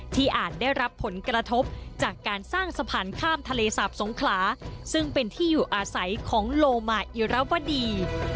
อาจได้รับผลกระทบจากการสร้างสะพานข้ามทะเลสาบสงขลาซึ่งเป็นที่อยู่อาศัยของโลมาอิรวดี